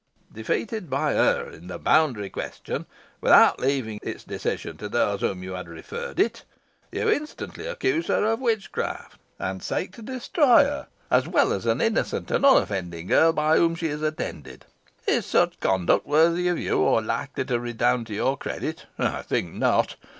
Defeated by her in the boundary question, without leaving its decision to those to whom you had referred it, you instantly accuse her of witchcraft, and seek to destroy her, as well as an innocent and unoffending girl, by whom she is attended. Is such conduct worthy of you, or likely to redound to your credit? I think not.